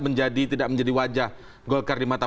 menjadi tidak menjadi wajah golkar di mata